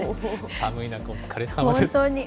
寒い中、お疲れさまです。